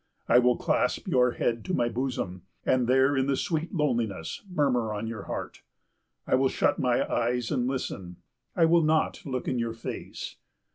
I will clasp your head to my bosom; and there in the sweet loneliness murmur on your heart. I will shut my eyes and listen. I will not look in your face.